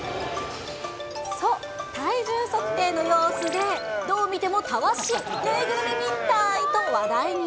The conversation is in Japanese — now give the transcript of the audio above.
そう、体重測定の様子で、どう見てもたわし、縫いぐるみみたいと話題に。